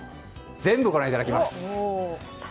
全部ご覧いただきます。